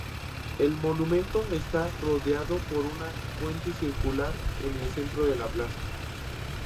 El monumento está rodeado por una fuente circular, en el centro de la plaza.